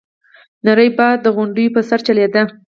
نری باد د غونډيو په سر چلېده.